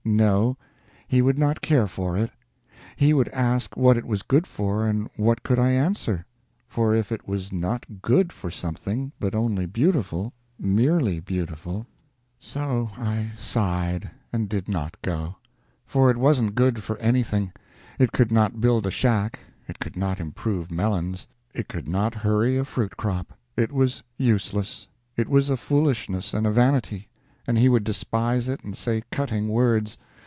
No he would not care for it. He would ask what it was good for, and what could I answer? for if it was not _good _for something, but only beautiful, merely beautiful So I sighed, and did not go. For it wasn't good for anything; it could not build a shack, it could not improve melons, it could not hurry a fruit crop; it was useless, it was a foolishness and a vanity; he would despise it and say cutting words.